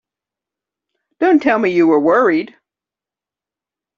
Don't tell me you were worried!